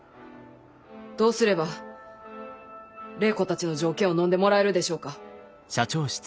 どうすれば礼子たちの条件をのんでもらえるでしょうか。